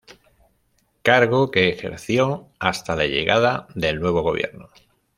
Cargo que ejerció hasta la llegada del nuevo gobierno.